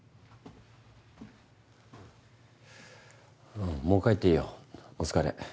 うんもう帰っていいよお疲れ。